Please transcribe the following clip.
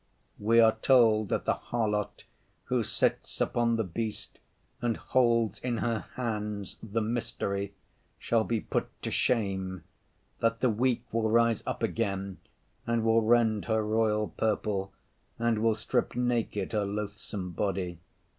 We are told that the harlot who sits upon the beast, and holds in her hands the mystery, shall be put to shame, that the weak will rise up again, and will rend her royal purple and will strip naked her loathsome body.